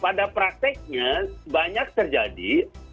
pada prakteknya banyak terjadi